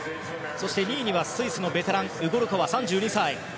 ２位にはスイスのベテランウゴルコワ、３２歳。